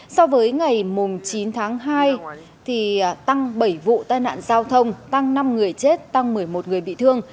so với ngày chín tháng hai tăng bảy vụ tai nạn giao thông tăng năm người chết tăng một mươi một người bị thương